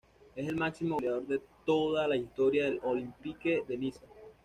Es el máximo goleador de toda la historia del Olympique de Niza.